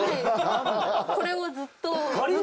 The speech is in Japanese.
これをずっと。